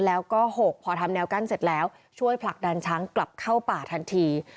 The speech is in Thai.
แล้วก็๖พอทำแนวกั้นเสร็จแล้วช่วยผลักดันช้างกลับเข้าป่าทันที